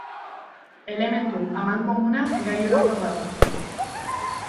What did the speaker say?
Elementu amankomuna gai orokorra da.